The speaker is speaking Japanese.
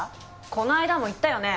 この間も言ったよね？